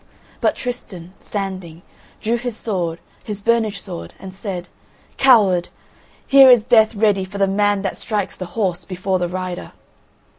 But Tristan, standing, drew his sword, his burnished sword, and said: "Coward! Here is death ready for the man that strikes the horse before the rider."